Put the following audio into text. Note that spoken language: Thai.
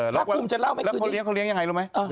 แล้วเขาเลี้ยงยังไงรู้ไหม